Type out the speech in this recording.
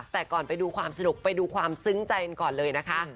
แต่ก่อนไปดูความสนุกไปดูความซึ้งใจกันก่อนเลยนะคะ